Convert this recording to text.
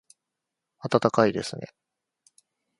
暖かいですね